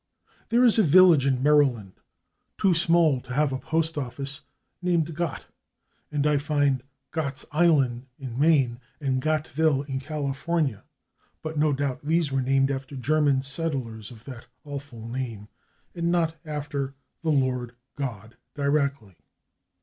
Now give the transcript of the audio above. There is a village in Maryland, too small to have a postoffice, named /Gott/, and I find /Gotts Island/ in Maine and /Gottville/ in California, but no doubt these were named after German settlers of that awful name, and not after the Lord God directly.